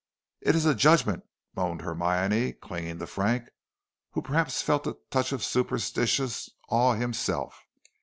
"It is a judgment," moaned Hermione, clinging to Frank, who perhaps felt a touch of superstitious awe himself.